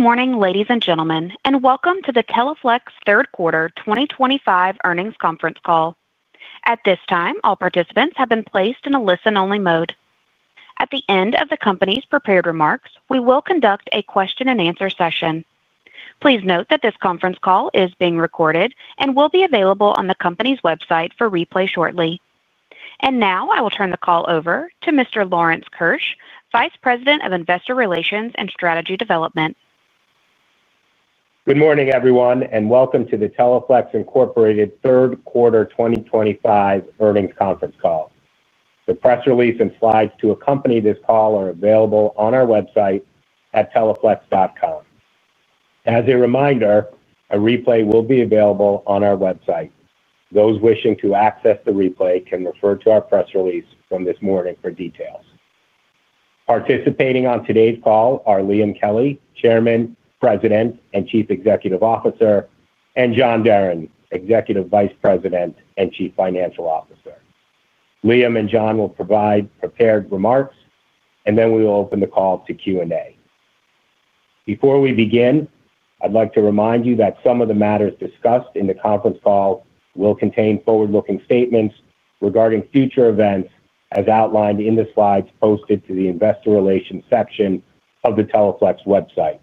Good morning, ladies and gentlemen, and welcome to the Teleflex third quarter 2025 earnings conference call. At this time, all participants have been placed in a listen-only mode. At the end of the company's prepared remarks, we will conduct a question-and-answer session. Please note that this conference call is being recorded and will be available on the company's website for replay shortly. I will turn the call over to Mr. Lawrence Keusch, Vice President of Investor Relations and Strategy Development. Good morning, everyone, and welcome to the Teleflex Incorporated Third Quarter 2025 Earnings Conference Call. The press release and slides to accompany this call are available on our website at teleflex.com. As a reminder, a replay will be available on our website. Those wishing to access the replay can refer to our press release from this morning for details. Participating on today's call are Liam Kelly, Chairman, President and Chief Executive Officer, and John Deren, Executive Vice President and Chief Financial Officer. Liam and John will provide prepared remarks, and then we will open the call to Q&A. Before we begin, I'd like to remind you that some of the matters discussed in the conference call will contain forward-looking statements regarding future events as outlined in the slides posted to the Investor Relations section of the Teleflex website.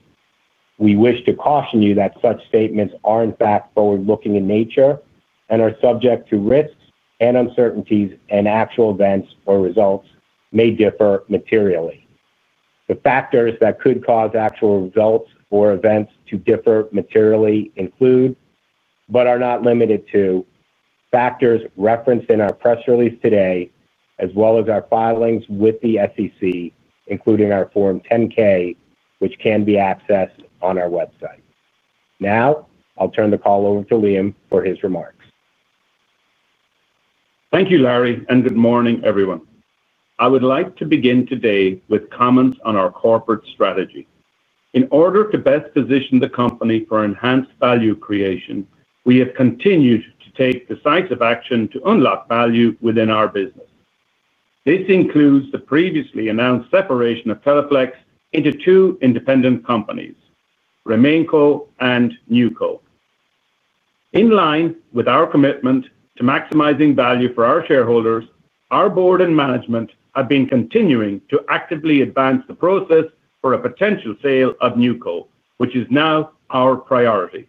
We wish to caution you that such statements are, in fact, forward-looking in nature and are subject to risks and uncertainties, and actual events or results may differ materially. The factors that could cause actual results or events to differ materially include, but are not limited to, factors referenced in our press release today, as well as our filings with the SEC, including our Form 10-K, which can be accessed on our website. Now I'll turn the call over to Liam for his remarks. Thank you, Larry, and good morning, everyone. I would like to begin today with comments on our corporate strategy. In order to best position the company for enhanced value creation, we have continued to take decisive action to unlock value within our business. This includes the previously announced separation of Teleflex into two independent companies, RemainCo and NewCo. In line with our commitment to maximizing value for our shareholders, our board and management have been continuing to actively advance the process for a potential sale of NewCo, which is now our priority.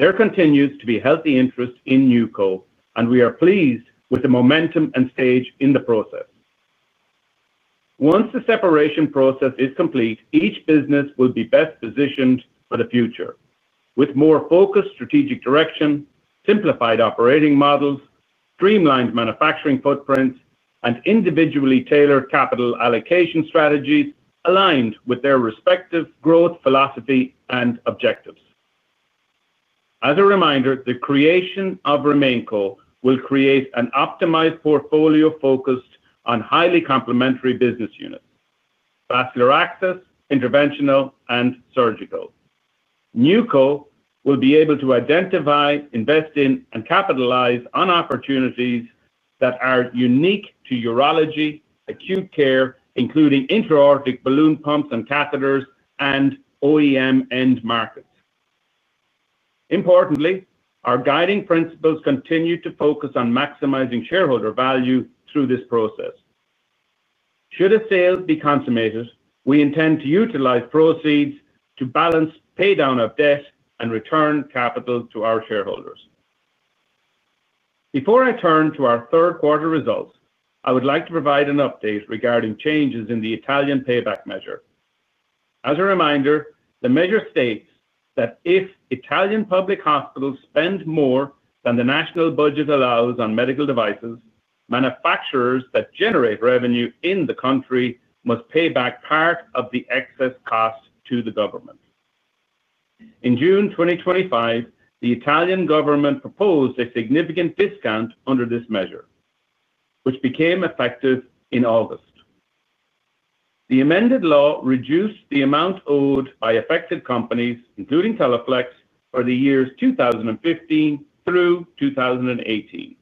There continues to be healthy interest in NewCo, and we are pleased with the momentum and stage in the process. Once the separation process is complete, each business will be best positioned for the future, with more focused strategic direction, simplified operating models, streamlined manufacturing footprints, and individually tailored capital allocation strategies aligned with their respective growth philosophy and objectives. As a reminder, the creation of RemainCo will create an optimized portfolio focused on highly complementary business units: vascular access, interventional, and surgical. NewCo will be able to identify, invest in, and capitalize on opportunities that are unique to urology, acute care, including intra-aortic balloon pumps and catheters, and OEM end markets. Importantly, our guiding principles continue to focus on maximizing shareholder value through this process. Should a sale be consummated, we intend to utilize proceeds to balance paydown of debt and return capital to our shareholders. Before I turn to our third quarter results, I would like to provide an update regarding changes in the Italian payback measure. As a reminder, the measure states that if Italian public hospitals spend more than the national budget allows on medical devices, manufacturers that generate revenue in the country must pay back part of the excess cost to the government. In June 2025, the Italian government proposed a significant discount under this measure, which became effective in August. The amended law reduced the amount owed by affected companies, including Teleflex, for the years 2015 through 2018.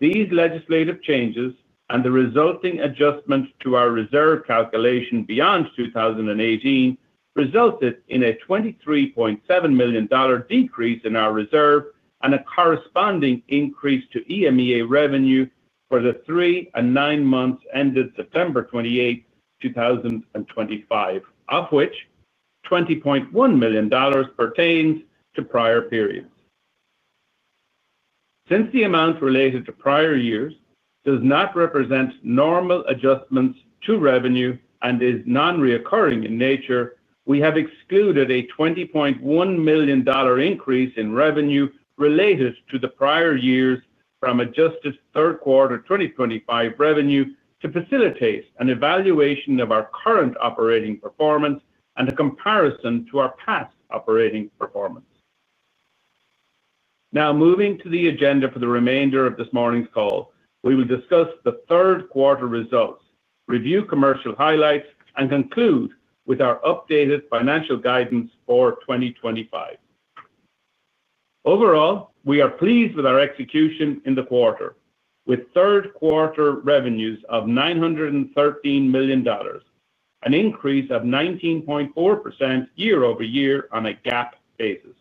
These legislative changes and the resulting adjustment to our reserve calculation beyond 2018 resulted in a $23.7 million decrease in our reserve and a corresponding increase to EMEA revenue for the three and nine months ended September 28, 2025, of which $20.1 million pertains to prior periods. Since the amount related to prior years does not represent normal adjustments to revenue and is non-recurring in nature, we have excluded a $20.1 million increase in revenue related to the prior years from adjusted third quarter 2025 revenue to facilitate an evaluation of our current operating performance and a comparison to our past operating performance. Now moving to the agenda for the remainder of this morning's call, we will discuss the third quarter results, review commercial highlights, and conclude with our updated financial guidance for 2025. Overall, we are pleased with our execution in the quarter, with third quarter revenues of $913 million, an increase of 19.4% year-over-year on a GAAP basis.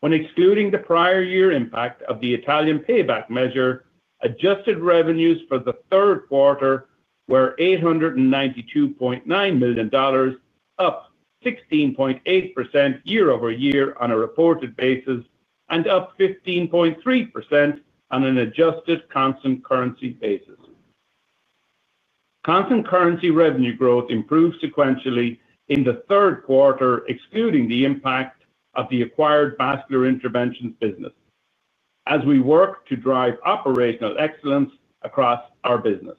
When excluding the prior year impact of the Italian payback measure, adjusted revenues for the third quarter were $892.9 million, up 16.8% year-over-year on a reported basis, and up 15.3% on an adjusted constant currency basis. Constant currency revenue growth improved sequentially in the third quarter, excluding the impact of the acquired vascular intervention business. As we work to drive operational excellence across our business.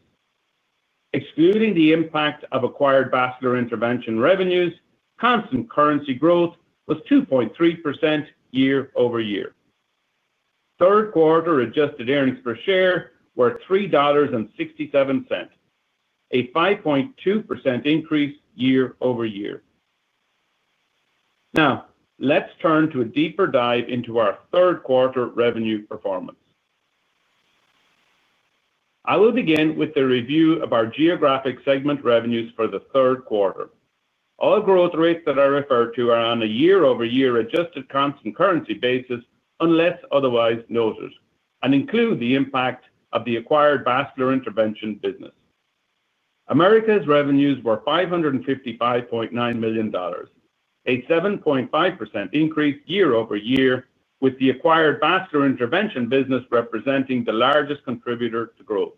Excluding the impact of acquired vascular intervention revenues, constant currency growth was 2.3% year-over-year. Third quarter adjusted earnings per share were $3.67, a 5.2% increase year-over-year. Now let's turn to a deeper dive into our third quarter revenue performance. I will begin with the review of our geographic segment revenues for the third quarter. All growth rates that I refer to are on a year-over-year adjusted constant currency basis, unless otherwise noted, and include the impact of the acquired vascular intervention business. America's revenues were $555.9 million, a 7.5% increase year-over-year, with the acquired vascular intervention business representing the largest contributor to growth.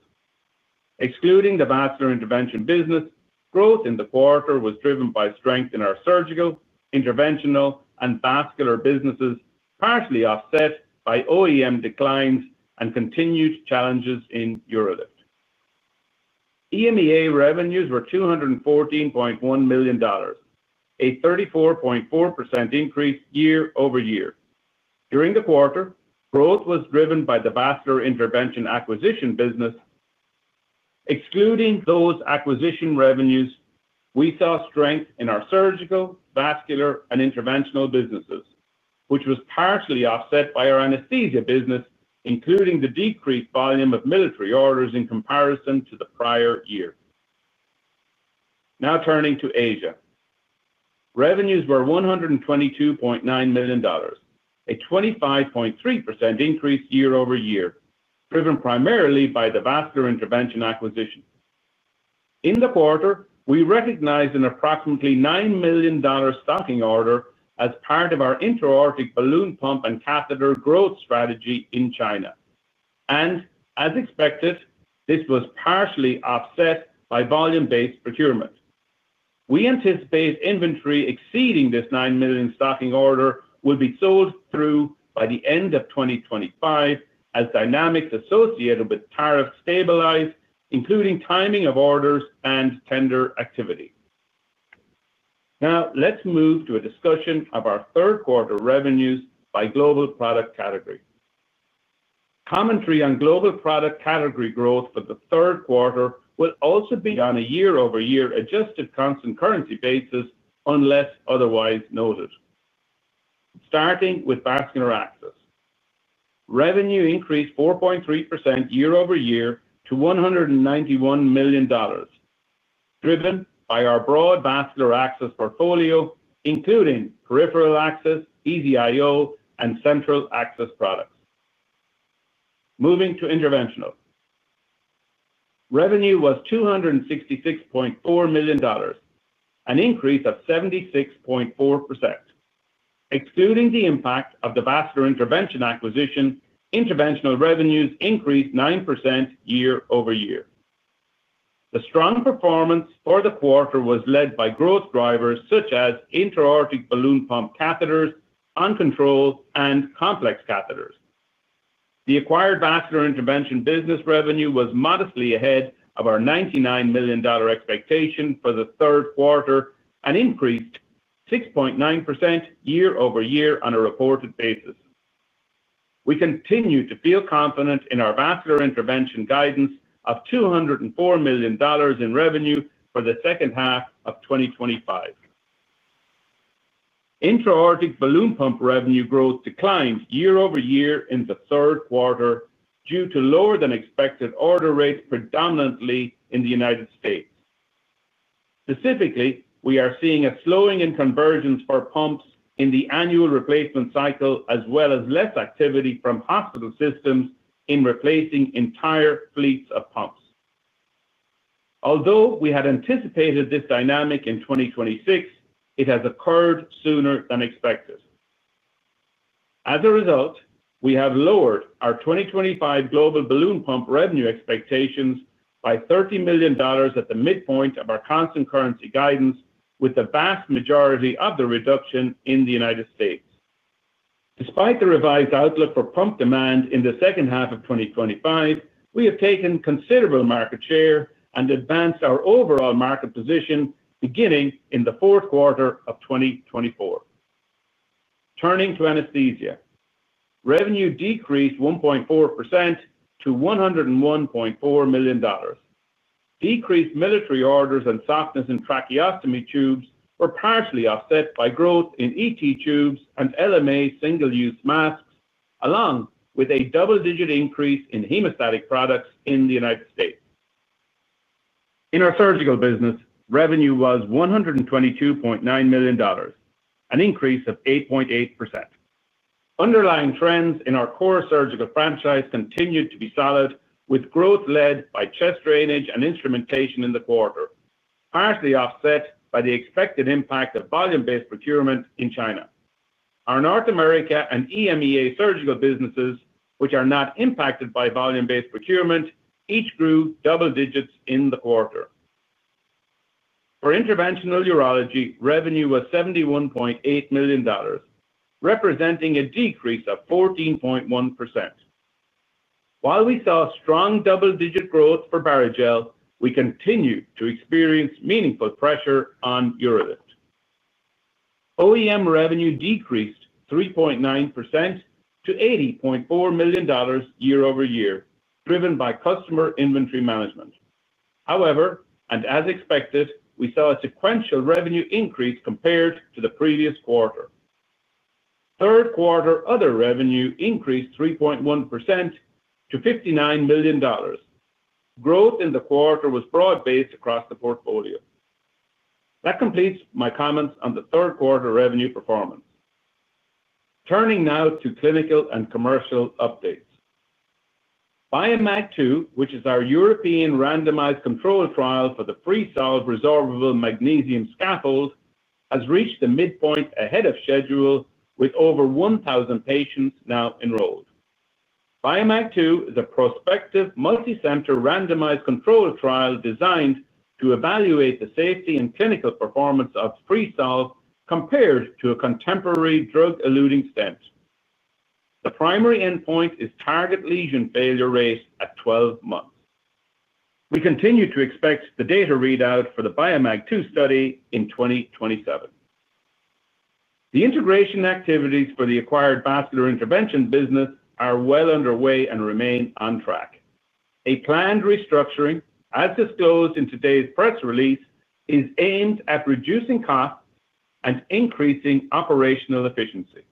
Excluding the vascular intervention business, growth in the quarter was driven by strength in our surgical, interventional, and vascular businesses, partially offset by OEM declines and continued challenges in UroLift. EMEA revenues were $214.1 million, a 34.4% increase year-over-year. During the quarter, growth was driven by the vascular intervention acquisition business. Excluding those acquisition revenues, we saw strength in our surgical, vascular, and interventional businesses, which was partially offset by our anesthesia business, including the decreased volume of military orders in comparison to the prior year. Now turning to Asia. Revenues were $122.9 million, a 25.3% increase year-over-year, driven primarily by the vascular intervention acquisition. In the quarter, we recognized an approximately $9 million stocking order as part of our intra-aortic balloon pump and catheter growth strategy in China. As expected, this was partially offset by volume-based procurement. We anticipate inventory exceeding this $9 million stocking order will be sold through by the end of 2025 as dynamics associated with tariffs stabilize, including timing of orders and tender activity. Now let's move to a discussion of our third quarter revenues by global product category. Commentary on global product category growth for the third quarter will also be on a year-over-year adjusted constant currency basis, unless otherwise noted. Starting with vascular access. Revenue increased 4.3% year-over-year to $191 million, driven by our broad vascular access portfolio, including peripheral access, EZ-IO, and central access products. Moving to interventional. Revenue was $266.4 million. An increase of 76.4%. Excluding the impact of the vascular intervention acquisition, interventional revenues increased 9% year-over-year. The strong performance for the quarter was led by growth drivers such as intra-aortic balloon pump catheters, uncontrolled, and complex catheters. The acquired vascular intervention business revenue was modestly ahead of our $99 million expectation for the third quarter and increased 6.9% year-over-year on a reported basis. We continue to feel confident in our vascular intervention guidance of $204 million in revenue for the second half of 2025. Intra-aortic balloon pump revenue growth declined year-over-year in the third quarter due to lower than expected order rates predominantly in the United States. Specifically, we are seeing a slowing in convergence for pumps in the annual replacement cycle, as well as less activity from hospital systems in replacing entire fleets of pumps. Although we had anticipated this dynamic in 2026, it has occurred sooner than expected. As a result, we have lowered our 2025 global balloon pump revenue expectations by $30 million at the midpoint of our constant currency guidance, with the vast majority of the reduction in the United States. Despite the revised outlook for pump demand in the second half of 2025, we have taken considerable market share and advanced our overall market position beginning in the fourth quarter of 2024. Turning to anesthesia, revenue decreased 1.4% to $101.4 million. Decreased military orders and softness in tracheostomy tubes were partially offset by growth in ET tubes and LMA single-use masks, along with a double-digit increase in hemostatic products in the United States. In our surgical business, revenue was $122.9 million, an increase of 8.8%. Underlying trends in our core surgical franchise continued to be solid, with growth led by chest drainage and instrumentation in the quarter, partially offset by the expected impact of volume-based procurement in China. Our North America and EMEA surgical businesses, which are not impacted by volume-based procurement, each grew double digits in the quarter. For interventional urology, revenue was $71.8 million, representing a decrease of 14.1%. While we saw strong double-digit growth for Barrigel, we continue to experience meaningful pressure on UroLift. OEM revenue decreased 3.9% to $80.4 million year-over-year, driven by customer inventory management. However, and as expected, we saw a sequential revenue increase compared to the previous quarter. Third quarter other revenue increased 3.1% to $59 million. Growth in the quarter was broad-based across the portfolio. That completes my comments on the third quarter revenue performance. Turning now to clinical and commercial updates. BIOMAG-II, which is our European randomized control trial for the Freesolve resorbable magnesium scaffold, has reached the midpoint ahead of schedule, with over 1,000 patients now enrolled. BIOMAG-II is a prospective multicenter randomized control trial designed to evaluate the safety and clinical performance of Freesolve compared to a contemporary drug-eluting stent. The primary endpoint is target lesion failure rates at 12 months. We continue to expect the data readout for the BIOMAG-II study in 2027. The integration activities for the acquired vascular intervention business are well underway and remain on track. A planned restructuring, as disclosed in today's press release, is aimed at reducing costs and increasing operational efficiency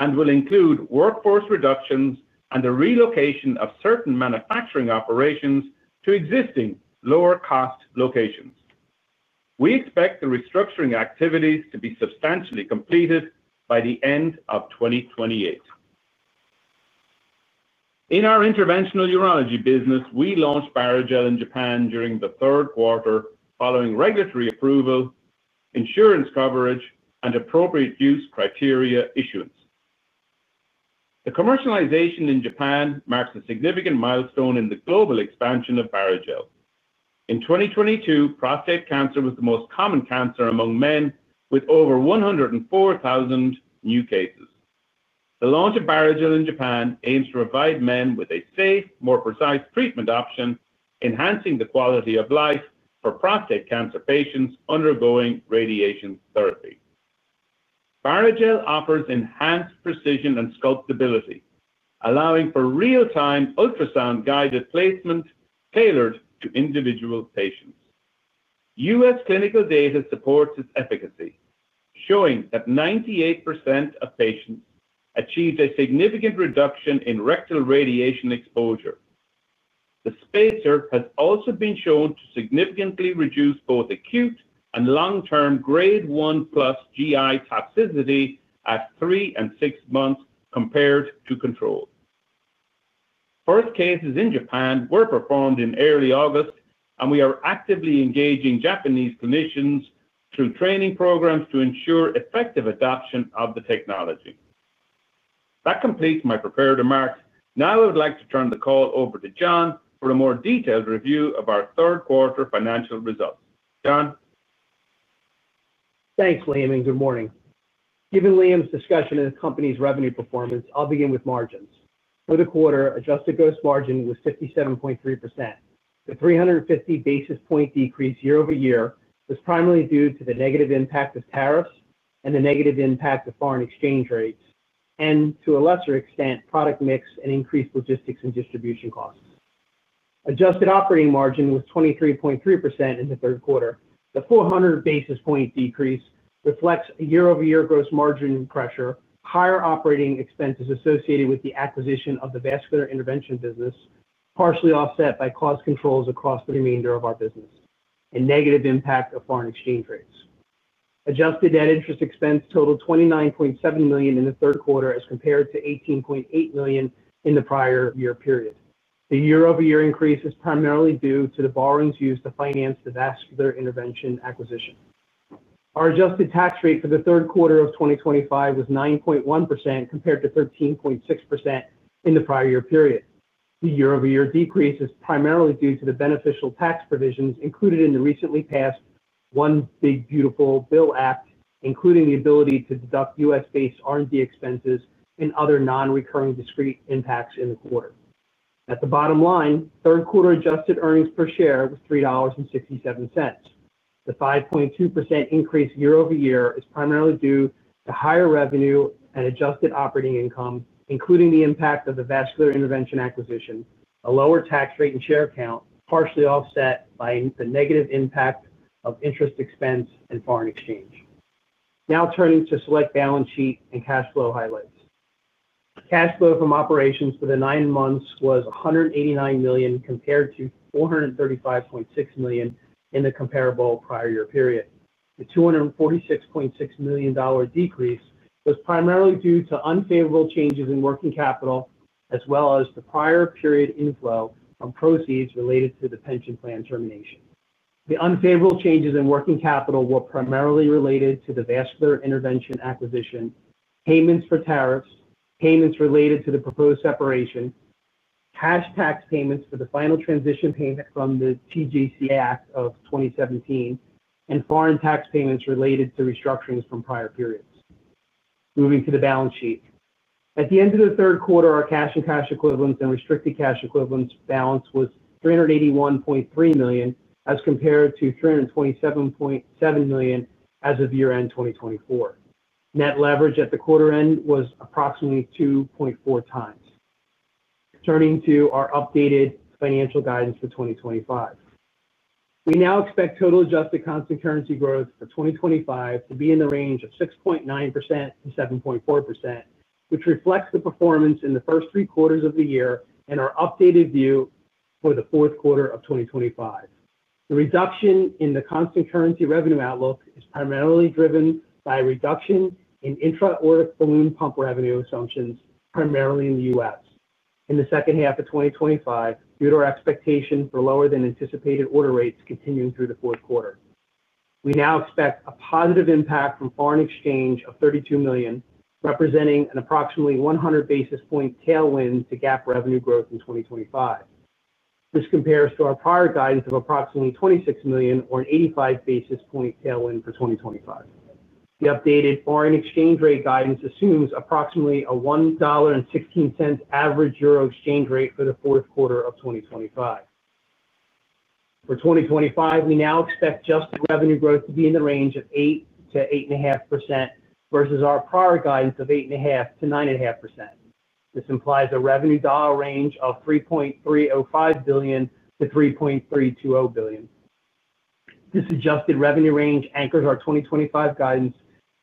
and will include workforce reductions and the relocation of certain manufacturing operations to existing lower-cost locations. We expect the restructuring activities to be substantially completed by the end of 2028. In our interventional urology business, we launched Barrigel in Japan during the third quarter following regulatory approval, insurance coverage, and appropriate use criteria issuance. The commercialization in Japan marks a significant milestone in the global expansion of Barrigel. In 2022, prostate cancer was the most common cancer among men, with over 104,000 new cases. The launch of Barrigel in Japan aims to provide men with a safe, more precise treatment option, enhancing the quality of life for prostate cancer patients undergoing radiation therapy. Barrigel offers enhanced precision and sculpt ability, allowing for real-time ultrasound-guided placement tailored to individual patients. U.S. clinical data supports its efficacy, showing that 98% of patients achieved a significant reduction in rectal radiation exposure. The spacer has also been shown to significantly reduce both acute and long-term grade 1 plus GI toxicity at three and six months compared to control. First cases in Japan were performed in early August, and we are actively engaging Japanese clinicians through training programs to ensure effective adoption of the technology. That completes my prepared remarks. Now I would like to turn the call over to John for a more detailed review of our third quarter financial results. John. Thanks, Liam, and good morning. Given Liam's discussion and the company's revenue performance, I'll begin with margins. For the quarter, adjusted gross margin was 57.3%. The 350 basis point decrease year-over-year was primarily due to the negative impact of tariffs and the negative impact of foreign exchange rates, and to a lesser extent, product mix and increased logistics and distribution costs. Adjusted operating margin was 23.3% in the third quarter. The 400 basis point decrease reflects a year-over-year gross margin pressure, higher operating expenses associated with the acquisition of the vascular intervention business, partially offset by cost controls across the remainder of our business, and negative impact of foreign exchange rates. Adjusted net interest expense totaled $29.7 million in the third quarter as compared to $18.8 million in the prior year period. The year-over-year increase is primarily due to the borrowings used to finance the vascular intervention acquisition. Our adjusted tax rate for the third quarter of 2025 was 9.1% compared to 13.6% in the prior year period. The year-over-year decrease is primarily due to the beneficial tax provisions included in the recently passed One Big Beautiful Bill Act, including the ability to deduct U.S.-based R&D expenses and other non-recurring discrete impacts in the quarter. At the bottom line, third quarter adjusted earnings per share was $3.67. The 5.2% increase year-over-year is primarily due to higher revenue and adjusted operating income, including the impact of the vascular intervention acquisition, a lower tax rate and share count, partially offset by the negative impact of interest expense and foreign exchange. Now turning to select balance sheet and cash flow highlights. Cash flow from operations for the nine months was $189 million compared to $435.6 million in the comparable prior year period. The $246.6 million decrease was primarily due to unfavorable changes in working capital, as well as the prior period inflow from proceeds related to the pension plan termination. The unfavorable changes in working capital were primarily related to the vascular intervention acquisition, payments for tariffs, payments related to the proposed separation, cash tax payments for the final transition payment from the TJC Act of 2017, and foreign tax payments related to restructurings from prior periods. Moving to the balance sheet. At the end of the third quarter, our cash and cash equivalents and restricted cash equivalents balance was $381.3 million as compared to $327.7 million as of year-end 2024. Net leverage at the quarter-end was approximately 2.4x. Turning to our updated financial guidance for 2025. We now expect total adjusted constant currency growth for 2025 to be in the range of 6.9%-7.4%, which reflects the performance in the first three quarters of the year and our updated view for the fourth quarter of 2025. The reduction in the constant currency revenue outlook is primarily driven by a reduction in intra-aortic balloon pump revenue assumptions, primarily in the U.S. in the second half of 2025, due to our expectation for lower than anticipated order rates continuing through the fourth quarter. We now expect a positive impact from foreign exchange of $32 million, representing an approximately 100 basis point tailwind to GAAP revenue growth in 2025. This compares to our prior guidance of approximately $26 million, or an 85 basis point tailwind for 2025. The updated foreign exchange rate guidance assumes approximately a $1.16 average euro exchange rate for the fourth quarter of 2025. For 2025, we now expect adjusted revenue growth to be in the range of 8%-8.5% versus our prior guidance of 8.5%-9.5%. This implies a revenue dollar range of $3.305 billion-$3.320 billion. This adjusted revenue range anchors our 2025 guidance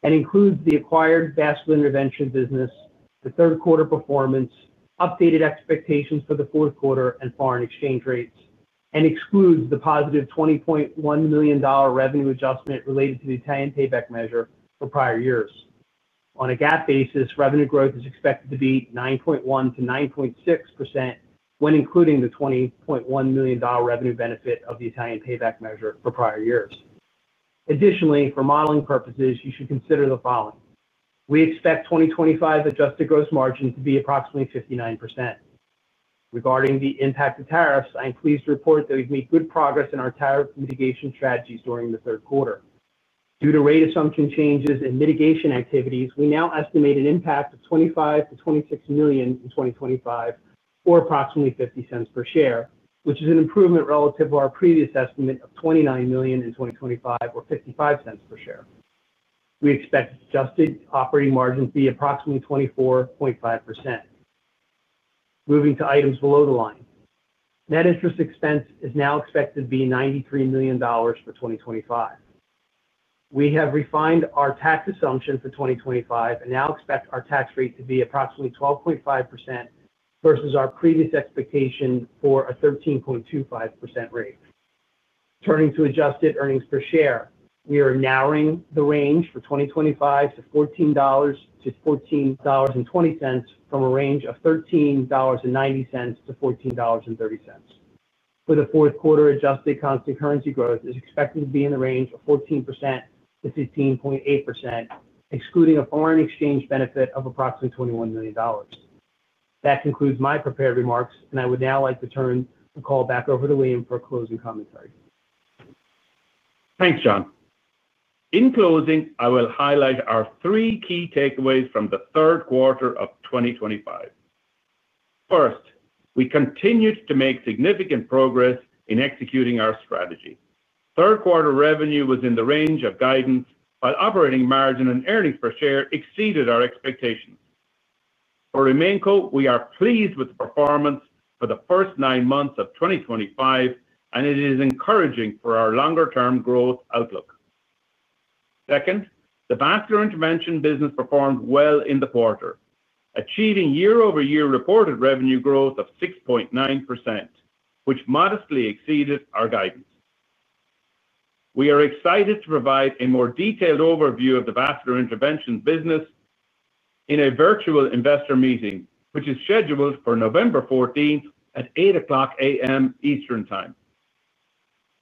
and includes the acquired vascular intervention business, the third quarter performance, updated expectations for the fourth quarter and foreign exchange rates, and excludes the positive $20.1 million revenue adjustment related to the Italian payback measure for prior years. On a GAAP basis, revenue growth is expected to be 9.1%-9.6% when including the $20.1 million revenue benefit of the Italian payback measure for prior years. Additionally, for modeling purposes, you should consider the following. We expect 2025 adjusted gross margin to be approximately 59%. Regarding the impact of tariffs, I am pleased to report that we've made good progress in our tariff mitigation strategies during the third quarter. Due to rate assumption changes and mitigation activities, we now estimate an impact of $25 million-$26 million in 2025, or approximately $0.50 per share, which is an improvement relative to our previous estimate of $29 million in 2025, or $0.55 per share. We expect adjusted operating margin to be approximately 24.5%. Moving to items below the line. Net interest expense is now expected to be $93 million for 2025. We have refined our tax assumption for 2025 and now expect our tax rate to be approximately 12.5% versus our previous expectation for a 13.25% rate. Turning to adjusted earnings per share, we are narrowing the range for 2025 to $14-$14.20 from a range of $13.90-$14.30. For the fourth quarter, adjusted constant currency growth is expected to be in the range of 14%-15.8%, excluding a foreign exchange benefit of approximately $21 million. That concludes my prepared remarks, and I would now like to turn the call back over to Liam for a closing commentary. Thanks, John. In closing, I will highlight our three key takeaways from the third quarter of 2025. First, we continued to make significant progress in executing our strategy. Third quarter revenue was in the range of guidance, but operating margin and earnings per share exceeded our expectations. For RemainCo, we are pleased with the performance for the first nine months of 2025, and it is encouraging for our longer-term growth outlook. Second, the vascular intervention business performed well in the quarter, achieving year-over-year reported revenue growth of 6.9%, which modestly exceeded our guidance. We are excited to provide a more detailed overview of the vascular intervention business in a virtual investor meeting, which is scheduled for November 14th at 8:00 A.M. Eastern Time.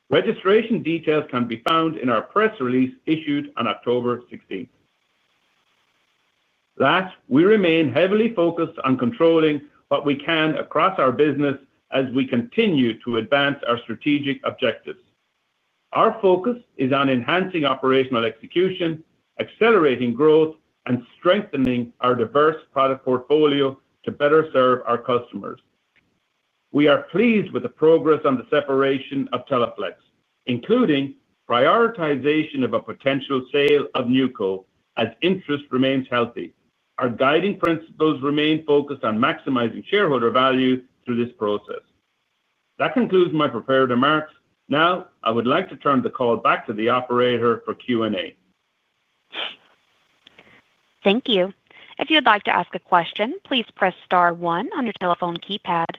Registration details can be found in our press release issued on October 16th. Last, we remain heavily focused on controlling what we can across our business as we continue to advance our strategic objectives. Our focus is on enhancing operational execution, accelerating growth, and strengthening our diverse product portfolio to better serve our customers. We are pleased with the progress on the separation of Teleflex, including prioritization of a potential sale of NewCo as interest remains healthy. Our guiding principles remain focused on maximizing shareholder value through this process. That concludes my prepared remarks. Now, I would like to turn the call back to the operator for Q&A. Thank you. If you'd like to ask a question, please press star one on your telephone keypad.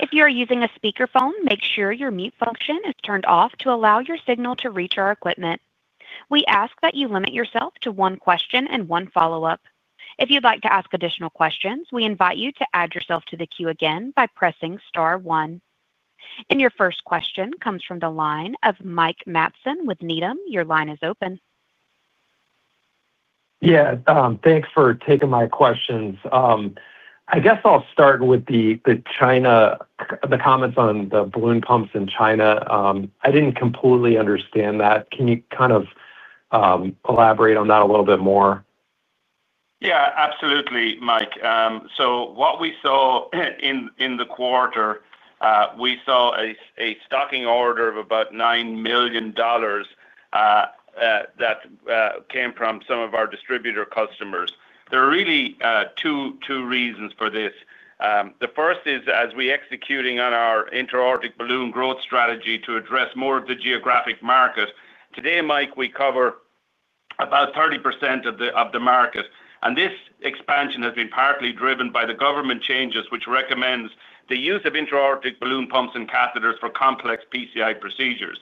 If you are using a speakerphone, make sure your mute function is turned off to allow your signal to reach our equipment. We ask that you limit yourself to one question and one follow-up. If you'd like to ask additional questions, we invite you to add yourself to the queue again by pressing star one. Your first question comes from the line of Mike Matson with Needham. Your line is open. Yeah. Thanks for taking my questions. I guess I'll start with the comments on the balloon pumps in China. I didn't completely understand that. Can you kind of elaborate on that a little bit more? Yeah, absolutely, Mike. What we saw in the quarter, we saw a stocking order of about $9 million that came from some of our distributor customers. There are really two reasons for this. The first is, as we're executing on our intra-aortic balloon growth strategy to address more of the geographic market. Today, Mike, we cover about 30% of the market. This expansion has been partly driven by the government changes, which recommend the use of intra-aortic balloon pumps and catheters for complex PCI procedures.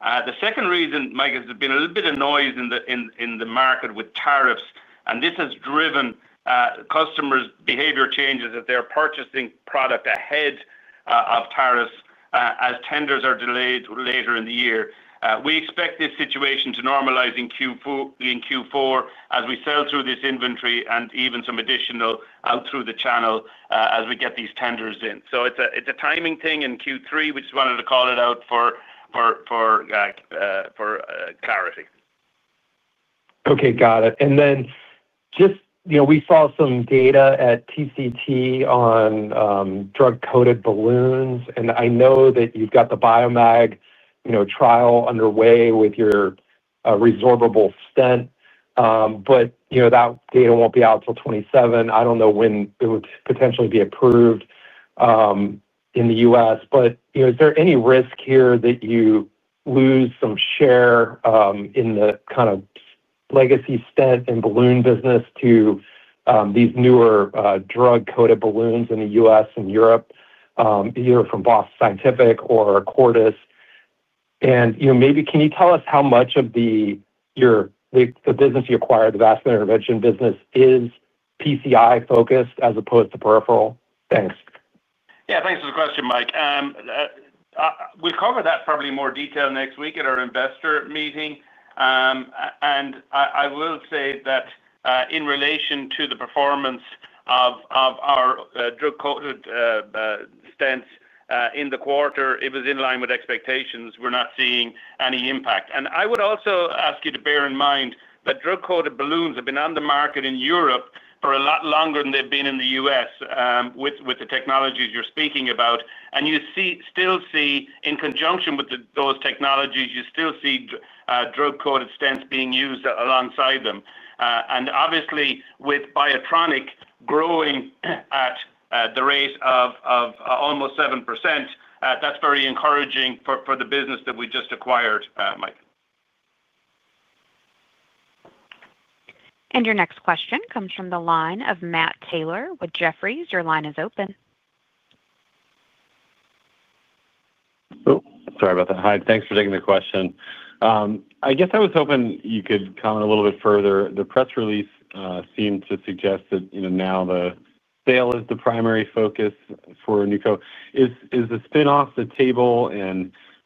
The second reason, Mike, is there's been a little bit of noise in the market with tariffs, and this has driven customers' behavior changes as they're purchasing product ahead of tariffs as tenders are delayed later in the year. We expect this situation to normalize in Q4 as we sell through this inventory and even some additional out through the channel as we get these tenders in. It is a timing thing in Q3, which is why I wanted to call it out for clarity. Okay. Got it. Just, we saw some data at TCT on drug-coated balloons, and I know that you've got the BIOMAG trial underway with your resorbable stent, but that data will not be out until 2027. I do not know when it would potentially be approved in the U.S. Is there any risk here that you lose some share in the kind of legacy stent and balloon business to these newer drug-coated balloons in the U.S. and Europe, either from Boston Scientific or Quartus? And maybe can you tell us how much of the business you acquired, the vascular intervention business, is PCI-focused as opposed to peripheral? Thanks. Yeah. Thanks for the question, Mike. We'll cover that probably in more detail next week at our investor meeting. I will say that in relation to the performance of our drug-coated stents in the quarter, it was in line with expectations. We're not seeing any impact. I would also ask you to bear in mind that drug-coated balloons have been on the market in Europe for a lot longer than they've been in the U.S. With the technologies you're speaking about, and you still see, in conjunction with those technologies, you still see drug-coated stents being used alongside them. Obviously, with BIOTRONIK growing at the rate of almost 7%, that's very encouraging for the business that we just acquired, Mike. Your next question comes from the line of Matt Taylor with Jefferies. Your line is open. Oh, sorry about that. Hi. Thanks for taking the question. I guess I was hoping you could comment a little bit further. The press release seemed to suggest that now the sale is the primary focus for NewCo. Is the spin-off off the table?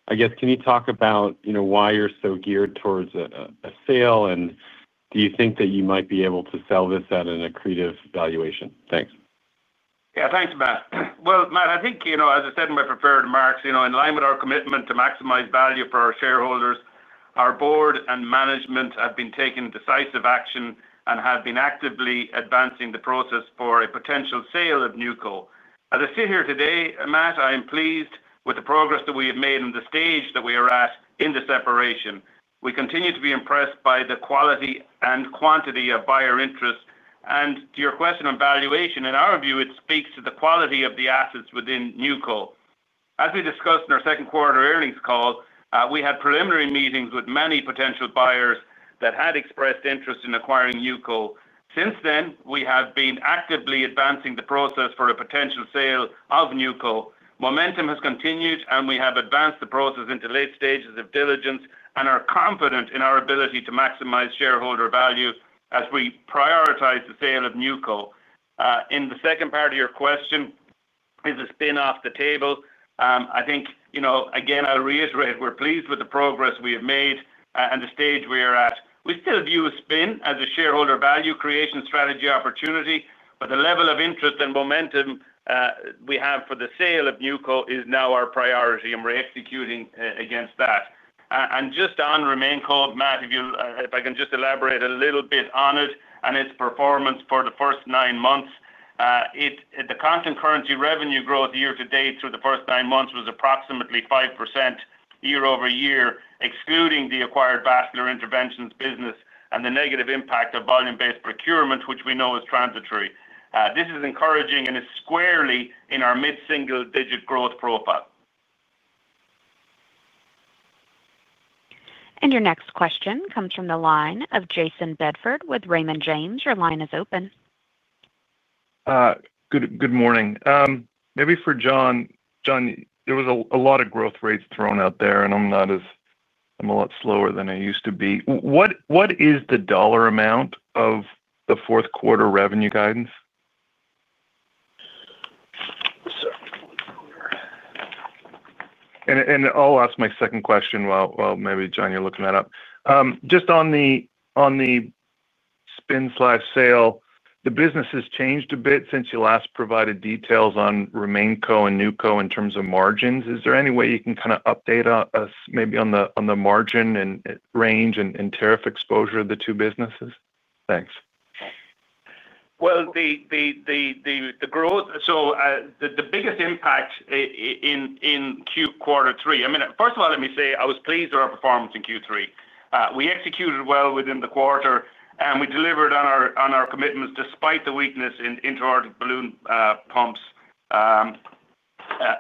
I guess, can you talk about why you're so geared towards a sale? Do you think that you might be able to sell this at an accretive valuation? Thanks. Yeah. Thanks, Matt. Matt, I think, as I said in my prepared remarks, in line with our commitment to maximize value for our shareholders, our board and management have been taking decisive action and have been actively advancing the process for a potential sale of NewCo. As I sit here today, Matt, I am pleased with the progress that we have made and the stage that we are at in the separation. We continue to be impressed by the quality and quantity of buyer interest. To your question on valuation, in our view, it speaks to the quality of the assets within NewCo. As we discussed in our second quarter earnings call, we had preliminary meetings with many potential buyers that had expressed interest in acquiring NewCo. Since then, we have been actively advancing the process for a potential sale of NewCo. Momentum has continued, and we have advanced the process into late stages of diligence and are confident in our ability to maximize shareholder value as we prioritize the sale of NewCo. In the second part of your question, is the spin-off the table? I think, again, I'll reiterate, we're pleased with the progress we have made and the stage we are at. We still view a spin as a shareholder value creation strategy opportunity, but the level of interest and momentum we have for the sale of NewCo is now our priority, and we're executing against that. Just on RemainCo, Matt, if I can just elaborate a little bit on it and its performance for the first nine months. The constant currency revenue growth year to date through the first nine months was approximately 5% year-over-year, excluding the acquired vascular intervention business and the negative impact of volume-based procurement, which we know is transitory. This is encouraging and is squarely in our mid-single-digit growth profile. Your next question comes from the line of Jayson Bedford with Raymond James. Your line is open. Good morning. Maybe for John. John, there was a lot of growth rates thrown out there, and I'm a lot slower than I used to be. What is the dollar amount of the fourth quarter revenue guidance? I'll ask my second question while maybe John, you're looking that up. Just on the spin/sale, the business has changed a bit since you last provided details on RemainCo and NewCo in terms of margins. Is there any way you can kind of update us maybe on the margin and range and tariff exposure of the two businesses? Thanks. The growth, so the biggest impact in Q3, I mean, first of all, let me say I was pleased with our performance in Q3. We executed well within the quarter, and we delivered on our commitments despite the weakness in intra-aortic balloon pumps,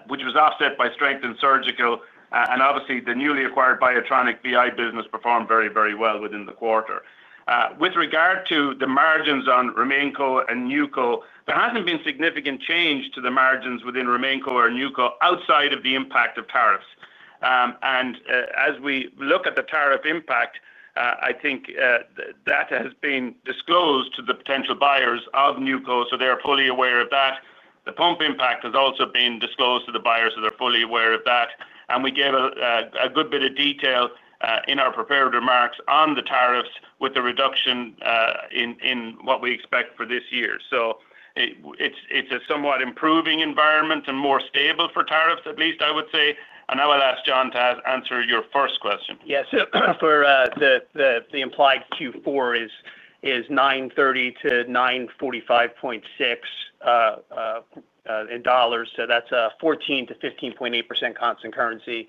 which was offset by strength in surgical. Obviously, the newly acquired BIOTRONIK VI business performed very, very well within the quarter. With regard to the margins on RemainCo and NewCo, there has not been significant change to the margins within RemainCo or NewCo outside of the impact of tariffs. As we look at the tariff impact, I think that has been disclosed to the potential buyers of NewCo, so they are fully aware of that. The pump impact has also been disclosed to the buyers, so they're fully aware of that. We gave a good bit of detail in our prepared remarks on the tariffs with the reduction in what we expect for this year. It is a somewhat improving environment and more stable for tariffs, at least, I would say. I will ask John to answer your first question. Yeah. The implied Q4 is $930 million-$945.6 million. In dollars. That is a 14%-15.8% constant currency.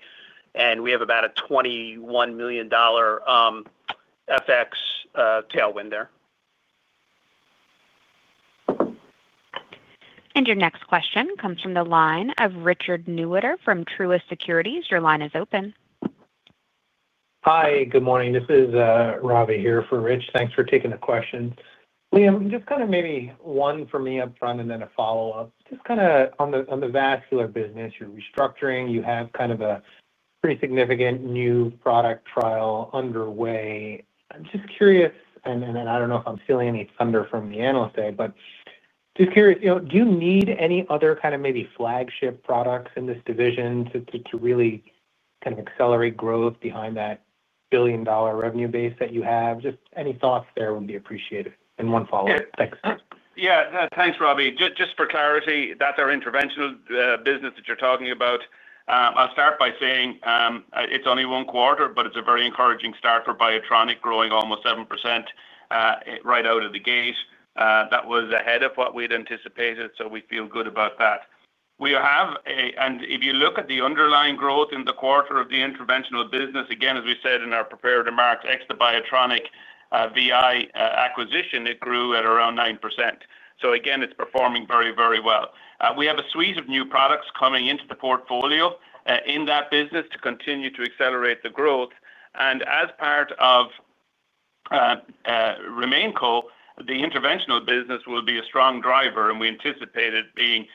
We have about a $21 million FX tailwind there. Your next question comes from the line of Richard Newitter from Truist Securities. Your line is open. Hi. Good morning. This is Ravi here for Rich. Thanks for taking the question. Liam, just kind of maybe one for me upfront and then a follow-up. Just kind of on the vascular business, you're restructuring. You have kind of a pretty significant new product trial underway. I'm just curious, and I don't know if I'm stealing any thunder from the analyst today, but just curious, do you need any other kind of maybe flagship products in this division to really kind of accelerate growth behind that billion-dollar revenue base that you have? Just any thoughts there would be appreciated. One follow-up. Thanks. Yeah. Thanks, Ravi. Just for clarity, that's our interventional business that you're talking about. I'll start by saying it's only one quarter, but it's a very encouraging start for BIOTRONIK, growing almost 7%. Right out of the gate. That was ahead of what we'd anticipated, so we feel good about that. If you look at the underlying growth in the quarter of the interventional business, as we said in our prepared remarks, excluding the BIOTRONIK VI acquisition, it grew at around 9%. It is performing very, very well. We have a suite of new products coming into the portfolio in that business to continue to accelerate the growth. As part of RemainCo, the interventional business will be a strong driver, and we anticipate it being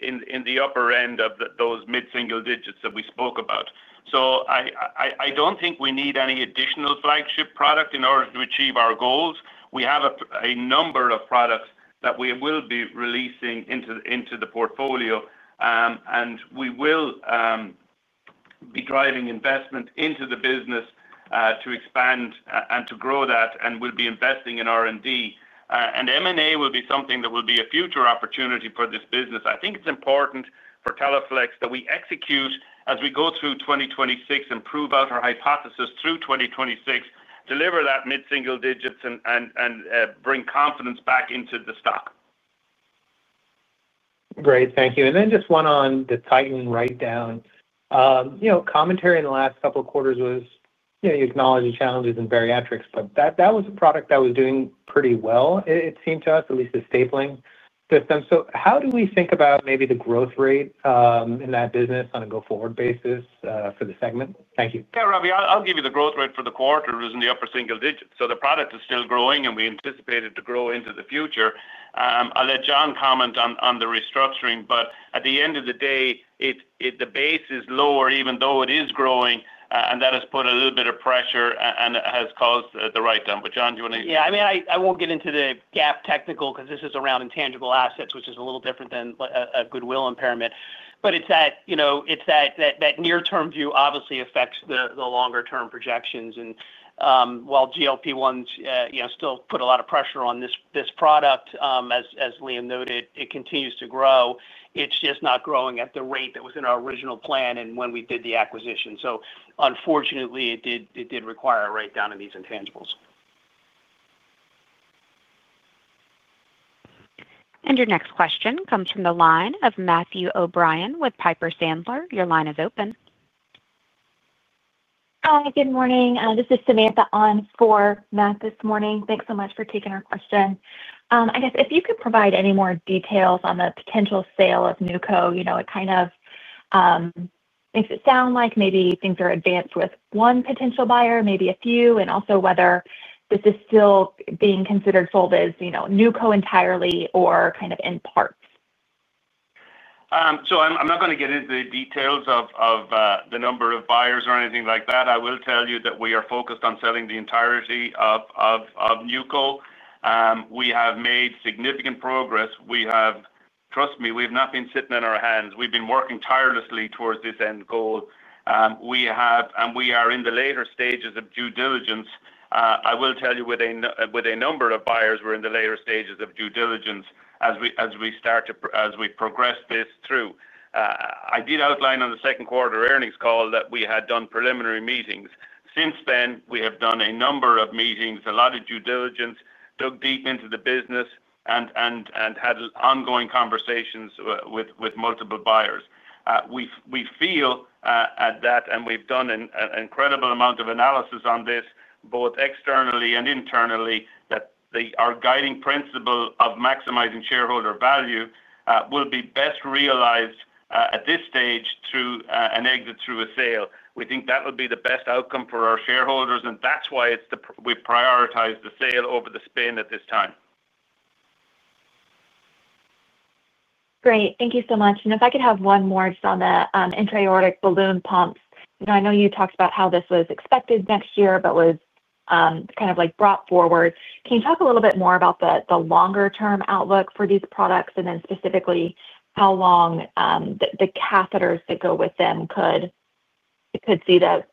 in the upper end of those mid-single digits that we spoke about. I do not think we need any additional flagship product in order to achieve our goals. We have a number of products that we will be releasing into the portfolio. We will be driving investment into the business to expand and to grow that, and we will be investing in R&D. M&A will be something that will be a future opportunity for this business. I think it's important for Teleflex that we execute as we go through 2026 and prove out our hypothesis through 2026, deliver that mid-single digits, and bring confidence back into the stock. Great. Thank you. Just one on the tightening right down. Commentary in the last couple of quarters was you acknowledge the challenges in bariatrics, but that was a product that was doing pretty well, it seemed to us, at least the stapling system. How do we think about maybe the growth rate in that business on a go-forward basis for the segment? Thank you. Yeah, Ravi, I'll give you the growth rate for the quarter is in the upper single digits. The product is still growing, and we anticipate it to grow into the future. I'll let John comment on the restructuring, but at the end of the day, the base is lower even though it is growing, and that has put a little bit of pressure and has caused the write-down. But John, do you want to? Yeah. I mean, I won't get into the GAAP technical because this is around intangible assets, which is a little different than a goodwill impairment. But it's that near-term view obviously affects the longer-term projections. And while GLP-1s still put a lot of pressure on this product, as Liam noted, it continues to grow. It's just not growing at the rate that was in our original plan and when we did the acquisition. So unfortunately, it did require a write-down in these intangibles. And your next question comes from the line of Matthew O'Brien with Piper Sandler. Your line is open. Hi. Good morning. This is Samantha on for Matt this morning. Thanks so much for taking our question. I guess if you could provide any more details on the potential sale of NewCo, it kind of makes it sound like maybe things are advanced with one potential buyer, maybe a few, and also whether this is still being considered sold as NewCo entirely or kind of in parts. I'm not going to get into the details of the number of buyers or anything like that. I will tell you that we are focused on selling the entirety of NewCo. We have made significant progress. Trust me, we have not been sitting on our hands. We've been working tirelessly towards this end goal. We are in the later stages of due diligence. I will tell you with a number of buyers, we're in the later stages of due diligence as we start to progress this through. I did outline on the second quarter earnings call that we had done preliminary meetings. Since then, we have done a number of meetings, a lot of due diligence, dug deep into the business, and had ongoing conversations with multiple buyers. We feel that, and we've done an incredible amount of analysis on this, both externally and internally, that our guiding principle of maximizing shareholder value will be best realized at this stage through an exit through a sale. We think that would be the best outcome for our shareholders, and that's why we prioritize the sale over the spin at this time. Great. Thank you so much. If I could have one more just on the intra-aortic balloon pumps. I know you talked about how this was expected next year but was kind of brought forward. Can you talk a little bit more about the longer-term outlook for these products and then specifically how long the catheters that go with them could see that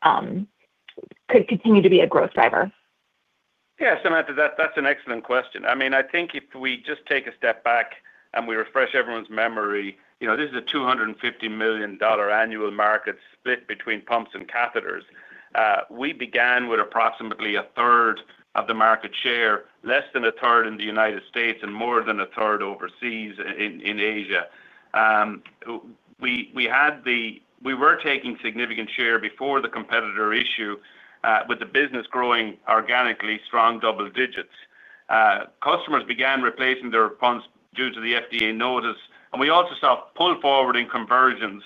could continue to be a growth driver? Yeah. Samantha, that's an excellent question. I mean, I think if we just take a step back and we refresh everyone's memory, this is a $250 million annual market split between pumps and catheters. We began with approximately a third of the market share, less than a third in the United States, and more than a third overseas in Asia. We were taking significant share before the competitor issue with the business growing organically, strong double digits. Customers began replacing their pumps due to the FDA notice. We also saw pull forward in conversions,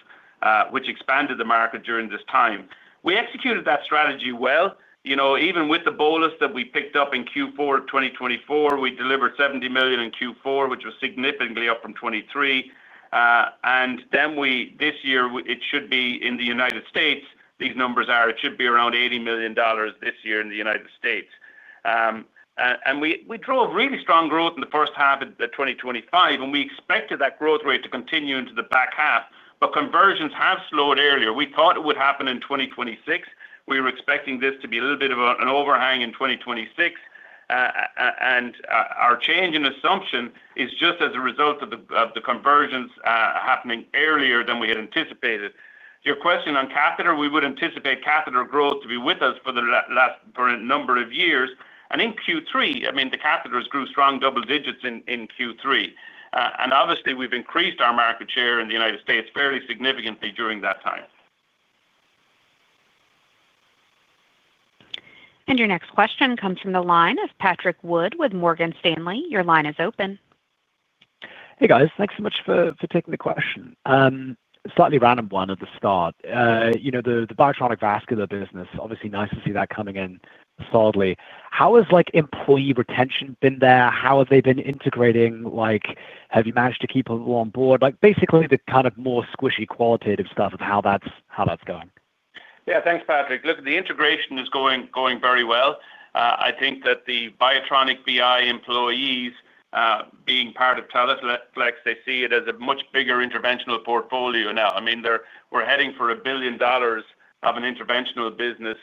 which expanded the market during this time. We executed that strategy well. Even with the bolus that we picked up in Q4 2024, we delivered $70 million in Q4, which was significantly up from 2023. This year, it should be in the United States, these numbers are, it should be around $80 million this year in the United States. We drove really strong growth in the first half of 2025, and we expected that growth rate to continue into the back half. Conversions have slowed earlier. We thought it would happen in 2026. We were expecting this to be a little bit of an overhang in 2026. Our change in assumption is just as a result of the conversions happening earlier than we had anticipated. Your question on catheter, we would anticipate catheter growth to be with us for the last number of years. In Q3, I mean, the catheters grew strong double digits in Q3. Obviously, we've increased our market share in the United States fairly significantly during that time. Your next question comes from the line of Patrick Wood with Morgan Stanley. Your line is open. Hey, guys. Thanks so much for taking the question. Slightly random one at the start. The BIOTRONIK vascular business, obviously nice to see that coming in solidly. How has employee retention been there? How have they been integrating? Have you managed to keep them on board? Basically, the kind of more squishy qualitative stuff of how that's going. Yeah. Thanks, Patrick. Look, the integration is going very well. I think that the BIOTRONIK VI employees. Being part of Teleflex, they see it as a much bigger interventional portfolio now. I mean, we're heading for a billion dollars of an interventional business.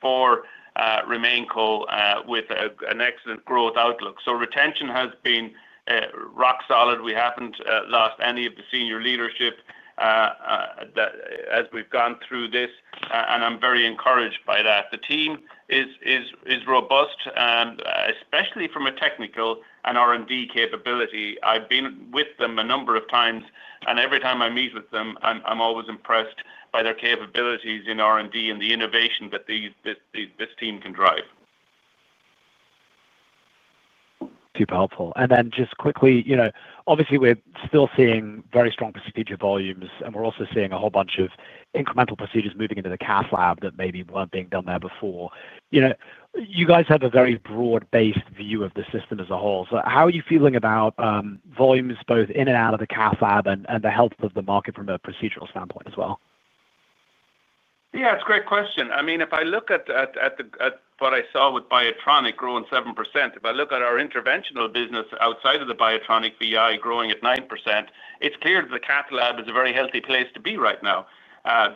For RemainCo with an excellent growth outlook. Retention has been rock solid. We haven't lost any of the senior leadership as we've gone through this, and I'm very encouraged by that. The team is robust, especially from a technical and R&D capability. I've been with them a number of times, and every time I meet with them, I'm always impressed by their capabilities in R&D and the innovation that this team can drive. Super helpful. Just quickly, obviously, we're still seeing very strong procedure volumes, and we're also seeing a whole bunch of incremental procedures moving into the cath lab that maybe weren't being done there before. You guys have a very broad-based view of the system as a whole. How are you feeling about volumes both in and out of the cath lab and the health of the market from a procedural standpoint as well? Yeah. It's a great question. I mean, if I look at what I saw with BIOTRONIK growing 7%, if I look at our interventional business outside of the BIOTRONIK VI growing at 9%, it's clear that the cath lab is a very healthy place to be right now,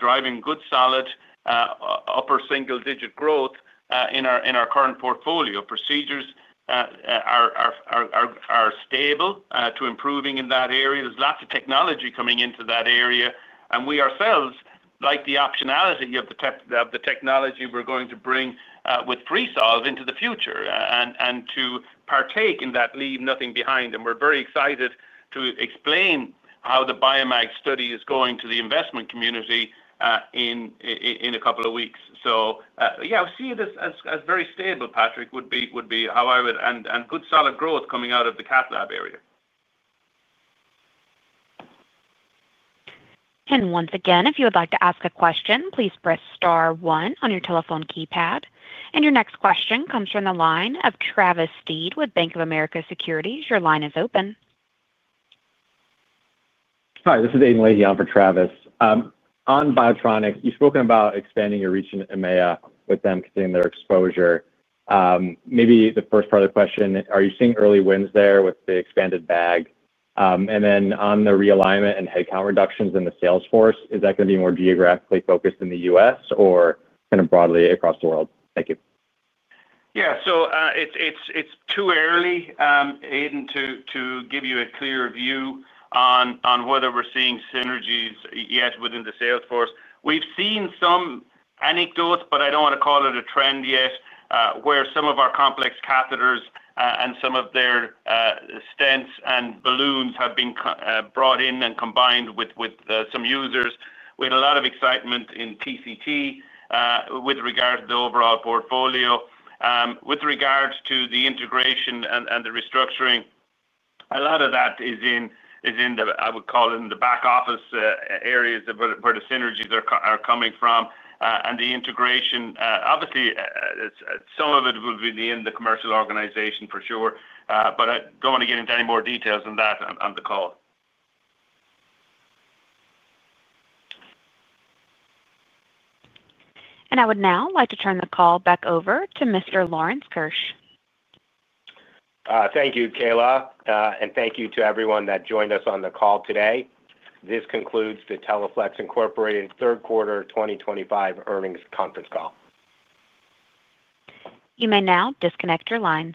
driving good solid upper single-digit growth in our current portfolio. Procedures are stable, to improving in that area. There's lots of technology coming into that area. We ourselves like the optionality of the technology we're going to bring with Freesolve into the future and to partake in that, leave nothing behind. We're very excited to explain how the BIOMAG study is going to the investment community in a couple of weeks. Yeah, we see it as very stable, Patrick, would be how I would and good solid growth coming out of the cath lab area. Once again, if you would like to ask a question, please press star one on your telephone keypad. Your next question comes from the line of Travis Steed with Bank of America Securities. Your line is open. Hi. This is [Aiden Whaley] on for Travis. On BIOTRONIK, you've spoken about expanding your reach in EMEA with them continuing their exposure. Maybe the first part of the question, are you seeing early wins there with the expanded bag? Then on the realignment and headcount reductions in the sales force, is that going to be more geographically focused in the U.S. or kind of broadly across the world? Thank you. Yeah. It's too early. Aiden, to give you a clear view on whether we're seeing synergies yet within the sales force. We've seen some anecdotes, but I don't want to call it a trend yet, where some of our complex catheters and some of their stents and balloons have been brought in and combined with some users with a lot of excitement in TCT. With regards to the overall portfolio. With regards to the integration and the restructuring, a lot of that is in the, I would call it, in the back office areas where the synergies are coming from. The integration, obviously. Some of it will be in the commercial organization for sure, but I don't want to get into any more details on that on the call. I would now like to turn the call back over to Mr. Lawrence Keusch. Thank you, Kayla. Thank you to everyone that joined us on the call today. This concludes the Teleflex Incorporated Third Quarter 2025 Earnings Conference Call. You may now disconnect your lines.